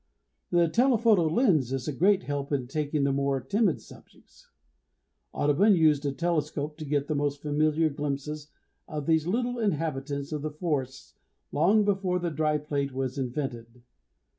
The telephoto lens is a great help in taking the more timid subjects. Audubon used a telescope to get the most familiar glimpses of these little inhabitants of the forests long before the dry plate was invented.